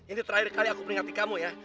ini terakhir kali aku peringati kamu ya